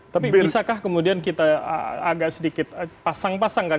tapi bisakah kemudian kita agak sedikit pasang pasang kan